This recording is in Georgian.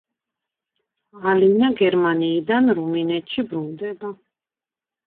ალინა გერმანიიდან რუმინეთში ბრუნდება.